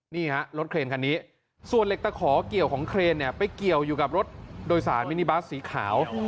นี่ฮะรถเครนคันนี้ส่วนเหล็กตะขอเกี่ยวของเครนเนี่ยไปเกี่ยวอยู่กับรถโดยสารมินิบัสสีขาว